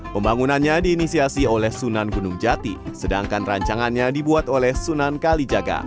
pembangunannya diinisiasi oleh sunan gunung jati sedangkan rancangannya dibuat oleh sunan kalijaga